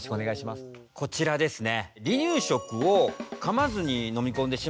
こちらですね。